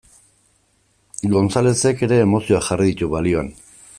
Gonzalezek ere emozioak jarri ditu balioan.